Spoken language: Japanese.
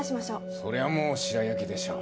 そりゃもう白焼きでしょう。